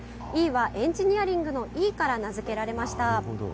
ＥはエンジニアリングのＥから名づけられました。